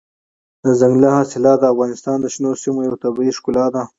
دځنګل حاصلات د افغانستان د شنو سیمو یوه طبیعي ښکلا ده.